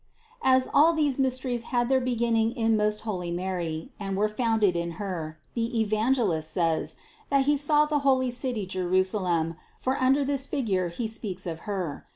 As all these mysteries had their beginning in most holy Mary, and were founded in Her, the Evangelist says, that he saw the holy city Jerusalem, for under this figure he speaks of Her.